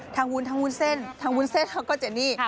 ทางวุ้นเส้นทางวุ้นเส้นแล้วก็เจนนี่